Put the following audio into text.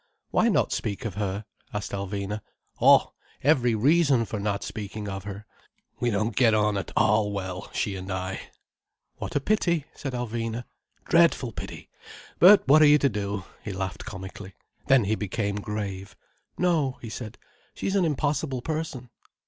"Why not speak of her?" asked Alvina. "Oh, every reason for not speaking of her. We don't get on at all well, she and I." "What a pity," said Alvina. "Dreadful pity! But what are you to do?" He laughed comically. Then he became grave. "No," he said. "She's an impossible person."